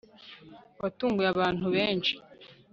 watunguye abantu benshi